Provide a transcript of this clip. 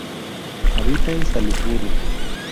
Habita en Salisbury.